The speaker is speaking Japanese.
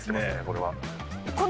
これは。